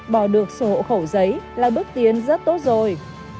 bỏ được sổ hộ khẩu giấy là bước tiến rất tốt rồi